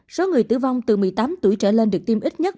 số người tử vong từ một mươi tám tuổi trở lên được tiêm ít nhất